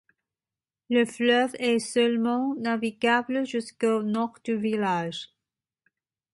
Le fleuve est seulement navigable jusqu'au nord du village.